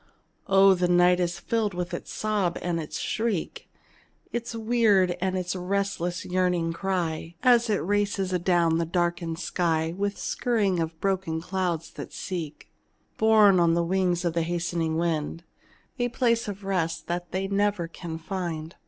Oh, the night is filled with its sob and its shriek, Its weird and its restless, yearning cry, As it races adown the darkened sky, With scurry of broken clouds that seek, Borne on the wings of the hastening wind, A place of rest that they never can find.